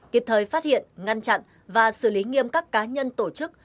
kịp thời phát hiện ngăn chặn và xử lý nghiêm các cá nhân tổ chức